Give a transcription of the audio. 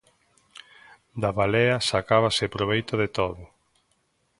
Da balea sacábase proveito de todo.